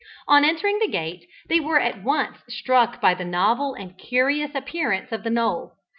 On entering the gate, they were at once struck by the novel and curious appearance of the knoll.